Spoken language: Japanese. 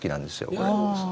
これ。